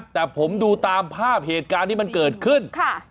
แต่ผมดูตามภาพเหตุการณ์ที่มันเกิดขึ้น